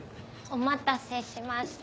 お待たせしました。